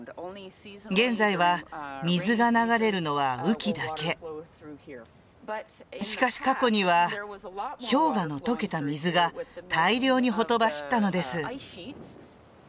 現在は水が流れるのは雨期だけしかし過去には氷河の溶けた水が大量にほとばしったのです